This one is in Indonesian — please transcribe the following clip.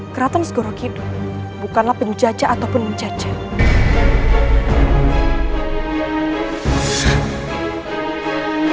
keraton segoro kidul bukanlah penjajah ataupun menjajah